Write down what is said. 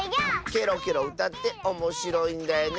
ケロケロうたっておもしろいんだよね